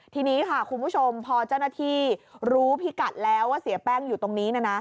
ทีนี้ค่ะคุณผู้ชมพอเจ้าหน้าที่รู้พิกัดแล้วว่าเสียแป้งอยู่ตรงนี้นะนะ